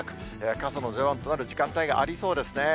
傘の出番となる時間帯がありそうですね。